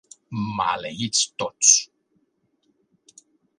Maleïts tots!